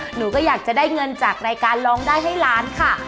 หนูก็อยากจะได้เงินจากรายการร้องได้ให้ล้านค่ะ